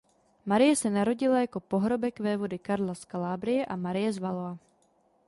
Marie se narodila jako pohrobek vévody Karla z Kalábrie a Marie z Valois.